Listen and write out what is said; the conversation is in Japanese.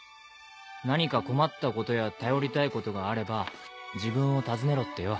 「何か困ったことや頼りたいことがあれば自分を訪ねろ」ってよ。